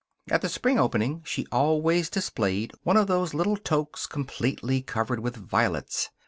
At the spring opening she always displayed one of those little toques completely covered with violets.